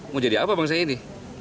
mau jadi apa bangsa ini